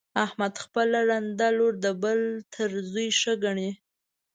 احمد خپله ړنده لور د بل تر زوی ښه ګڼي.